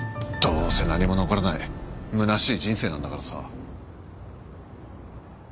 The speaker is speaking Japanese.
どうせ何も残らないむなしい人生なんだからさ。